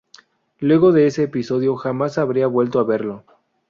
Luego de ese episodio jamás habría vuelto a verlo.